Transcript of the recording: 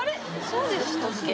そうでしたっけ？